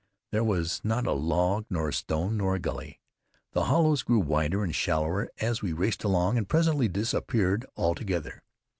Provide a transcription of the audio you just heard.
There was not a log, nor a stone, nor a gully. The hollows grew wider and shallower as we raced along, and presently disappeared altogether.